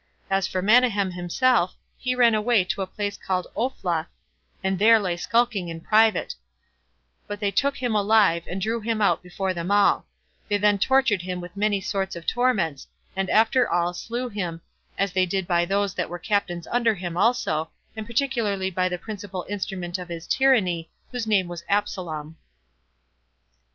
As for Manahem himself, he ran away to the place called Ophla, and there lay skulking in private; but they took him alive, and drew him out before them all; they then tortured him with many sorts of torments, and after all slew him, as they did by those that were captains under him also, and particularly by the principal instrument of his tyranny, whose name was Apsalom.